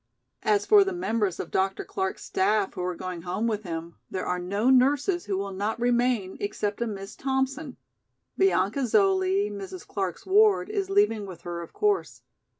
"As for the members of Dr. Clark's staff who are going home with him, there are no nurses who will not remain except a Miss Thompson. Bianca Zoli, Mrs. Clark's ward, is leaving with her of course.